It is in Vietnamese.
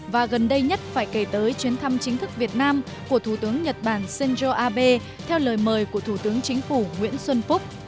và gần đây nhất phải kể tới chuyến thăm chính thức việt nam của thủ tướng nhật bản shinzo abe theo lời mời của thủ tướng chính phủ nguyễn xuân phúc